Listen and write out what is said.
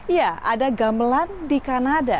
ya ada gamelan di kanada